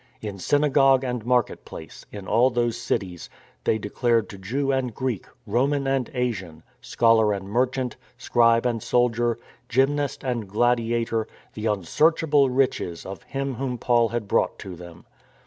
In synagogue and market place, in all those cities, they declared to Jew and Greek, Roman and Asian, scholar and merchant, scribe THE DEFIANCE OF ARTEMIS 253 and soldier, gymnast and gladiator " the unsearchable riches " of Him whom Paul had brought to them.